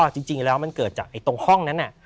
จริงแล้วมันเกิดจากตรงห้องนั้น